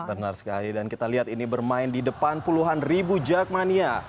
benar sekali dan kita lihat ini bermain di depan puluhan ribu jakmania